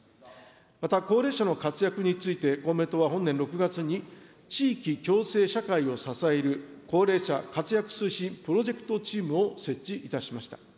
また、高齢者の活躍について、公明党は本年６月に、地域共生社会を支える高齢者活躍推進プロジェクトチームを設置いたしました。